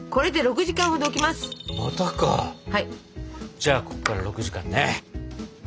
じゃあここから６時間ね。